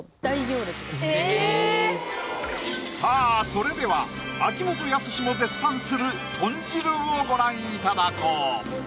それでは秋元康も絶賛するとん汁をご覧いただこう！